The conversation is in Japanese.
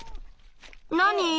なに？